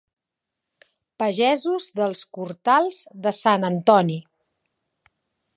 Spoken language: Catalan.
Pagesos dels Cortals de Sant Antoni.